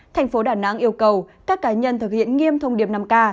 thành phố đà nẵng yêu cầu các cá nhân thực hiện nghiêm thông điệp năm k